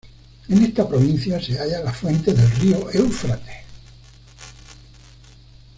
En esta provincia se halla las fuentes del río Éufrates.